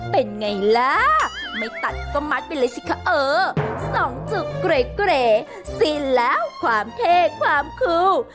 เป็นไงล่ะไม่ตัดก็มัดไปเลยสิคะเออสองจุดเกรสิ้นแล้วความเท่ความคู่